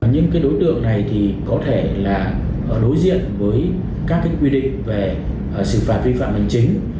những đối tượng này có thể đối diện với các quy định về xử phạt vi phạm bình chính